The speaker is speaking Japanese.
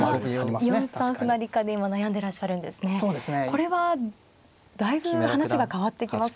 これはだいぶ話が変わってきますか。